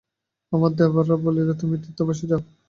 আমার দেবররা বলিল–তুমি তীর্থবাসে যাও।